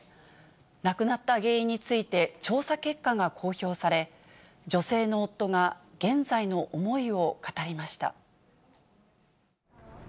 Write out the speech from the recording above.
亡くなった原因について、調査結果が公表され、女性の夫が現在の思いを語りました。